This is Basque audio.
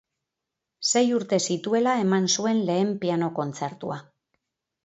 Sei urte zituela eman zuen lehen piano kontzertua.